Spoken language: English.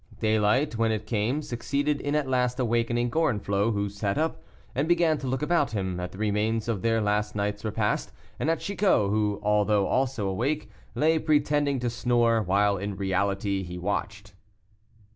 Daylight, when it came, succeeded in at last awakening Gorenflot, who sat up, and began to look about him, at the remains of their last night's repast, and at Chicot, who, although also awake, lay pretending to snore, while, in reality, he watched.